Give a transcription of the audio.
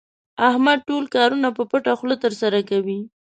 احمد ټول کارونه په پټه خوله ترسره کوي.